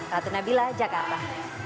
ratu nabila jakarta